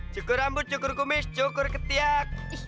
cukur rambut cukur kumis cukur ketiak